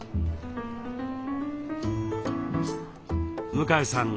向江さん